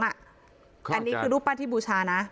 อันนี้คือรูปปั้นที่บูชานะ